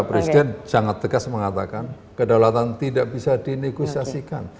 presiden sangat tegas mengatakan kedaulatan tidak bisa dinegosiasikan